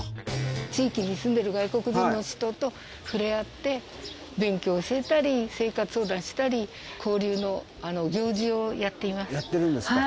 地域に住んでいる外国人の人と触れ合って、勉強を教えたり、生活相談したり、交流の行事をややってるんですか。